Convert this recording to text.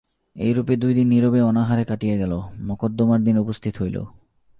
এইরূপে দুইদিন নীরবে অনাহারে কাটিয়া গেল, মকদ্দমার দিন উপস্থিত হইল।